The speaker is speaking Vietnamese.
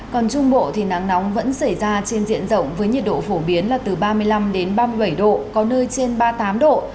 còn trung bộ thì nắng nóng vẫn xảy ra trên diện rộng với nhiệt độ phổ biến là từ ba mươi năm ba mươi bảy độ có nơi trên ba mươi tám độ